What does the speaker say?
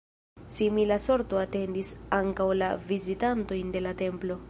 Simila sorto atendis ankaŭ la vizitantojn de la templo.